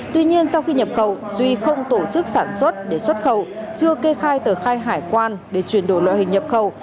tuy nhiên sau khi nhập khẩu duy không tổ chức sản xuất để xuất khẩu chưa kê khai tờ khai hải quan để chuyển đổi loại hình nhập khẩu